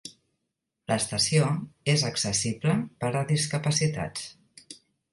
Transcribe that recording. L'estació és accessible per a discapacitats.